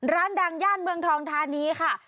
ร้านดังย่านเมืองทองธานีค่ะ